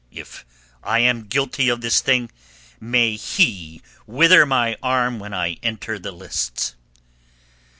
If I am guilty of this thing may He wither my arm when I enter the lists."